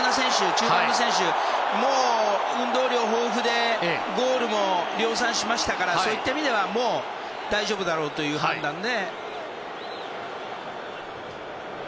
本当に運動量豊富でゴールも量産しましたからそういった意味ではもう大丈夫だろうという判断で。